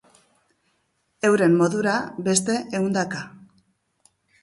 Euren modura beste ehundaka.